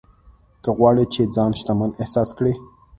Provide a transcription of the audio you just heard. که غواړې چې ځان شتمن احساس کړې.